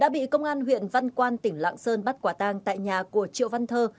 đã bị công an huyện văn quan tỉnh lạng sơn bắt quả tang tại nhà của triệu văn thơ